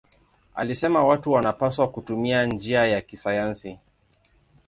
Alisema watu wanapaswa kutumia njia ya kisayansi.